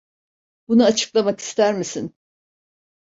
Bunu açıklamak ister misin?